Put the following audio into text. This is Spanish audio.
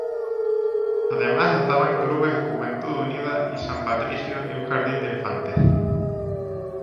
Además estaban clubes Juventud Unida y San Patricio y un jardín de infantes.